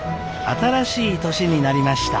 新しい年になりました。